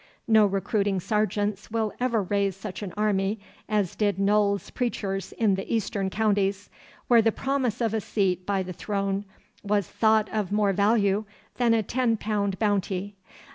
No recruiting sergeants will ever raise such an army as did Noll's preachers in the eastern counties, where the promise of a seat by the throne was thought of more value than a ten pound bounty.